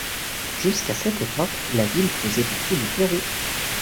Jusqu’à cette époque, la ville faisait partie du Pérou.